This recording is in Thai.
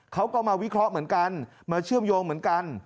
เขาก็มาวิเคราะห์เหมือนกันมาเชื่อมโยงเหมือนกัน